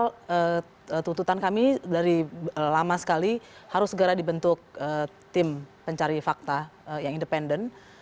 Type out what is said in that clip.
jadi tuntutan kami dari lama sekali harus segera dibentuk tim pencari fakta yang independen